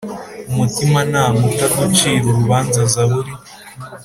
Umutimanama utaducira urubanza Zaburi